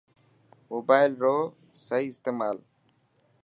موبائل رو صحيح استعمال